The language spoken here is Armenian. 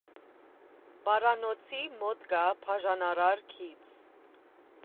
Պարանոցի մոտ կա բաժանարար գիծ։